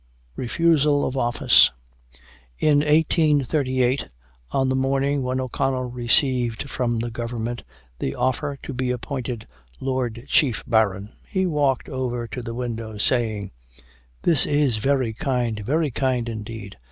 REFUSAL OF OFFICE. In 1838, on the morning when O'Connell received from the Government the offer to be appointed Lord Chief Baron, he walked over to the window, saying: "This is very kind very kind, indeed!